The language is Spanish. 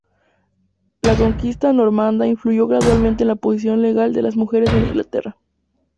La conquista normanda influyó gradualmente en la posición legal de las mujeres en Inglaterra.